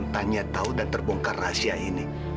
tanya tahu dan terbongkar rahasia ini